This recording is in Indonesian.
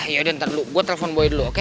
yaudah ntar dulu gua telepon boy dulu oke